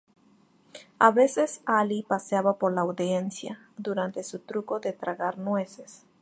A veces Ali paseaba por la audiencia durante su truco de tragar nueces.